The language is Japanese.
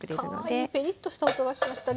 かわいいペリッとした音がしました。